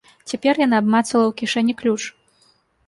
Цяпер яна абмацала ў кішэні ключ.